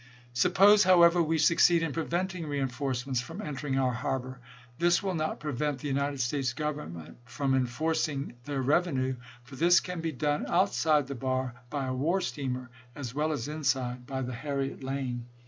Suppose, however, we succeed in preventing reinforce ments from entering our harbor. This will not prevent the United States Government from enforcing their reve nue, for this can be done outside the bar, by a war steamer, as well as inside by the Harriet Lane.